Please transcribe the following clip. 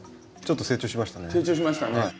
ちょっと成長しましたね。